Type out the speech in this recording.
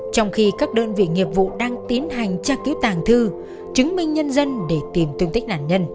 trong khi các đơn vị nghiệp vụ đang tiến hành tra cứu tàng thư chứng minh nhân dân để tìm tung tích nạn nhân